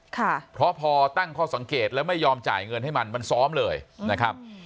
ค่ะเพราะพอตั้งข้อสังเกตแล้วไม่ยอมจ่ายเงินให้มันมันซ้อมเลยนะครับ